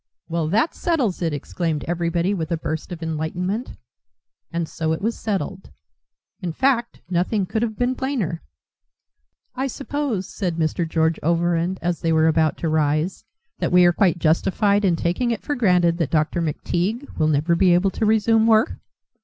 "Well, that settles it!" exclaimed everybody with a burst of enlightenment. And so it was settled. In fact, nothing could have been plainer. "I suppose," said Mr. George Overend as they were about to rise, "that we are quite justified in taking it for granted that Dr. McTeague will never be able to resume work?"